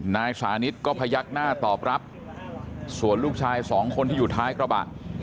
นายสานิทก็พยักหน้าตอบรับส่วนลูกชายสองคนที่อยู่ท้ายกระบะ